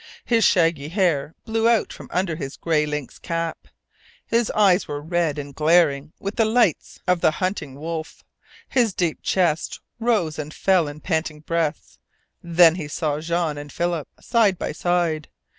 His shaggy hair blew out from under his gray lynx cap. His eyes were red and glaring with the lights of the hunting wolf. His deep chest rose and fell in panting breaths. Then he saw Jean and Philip, side by side.